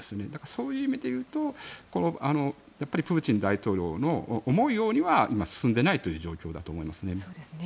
そういう意味で言うとプーチン大統領の思うようには今進んでいない状況だと思います。